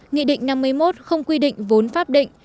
nghị định năm mươi một không quy định vốn pháp định